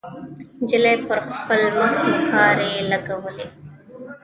نجلۍ پر خپل مخ نوکارې لګولې.